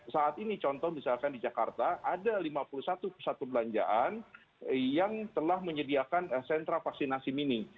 saat ini contoh misalkan di jakarta ada lima puluh satu pusat perbelanjaan yang telah menyediakan sentra vaksinasi mini